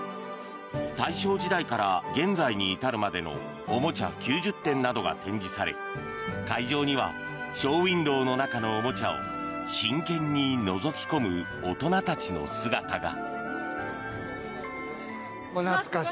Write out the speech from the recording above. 大正時代から現在に至るまでのおもちゃ９０点などが展示され会場にはショーウィンドーの中のおもちゃを真剣にのぞき込む大人たちの姿が。